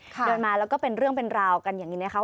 เดินมาแล้วก็เป็นเรื่องเป็นราวกันอย่างนี้นะคะ